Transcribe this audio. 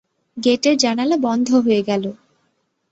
গেটের জানালা বন্ধ হয়ে গেল।